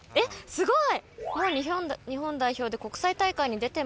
すごい！